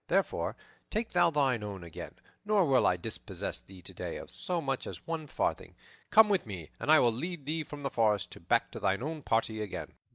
Therefore, take thou thine own again, nor will I dispossess thee today of so much as one farthing. Come with me, and I will lead thee from the forest back to thine own party again."